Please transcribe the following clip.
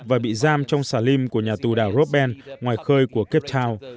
và bị giam trong xà lim của nhà tù đảo robben ngoài khơi của cape town